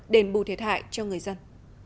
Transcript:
đền bù thiệt hại cho người dân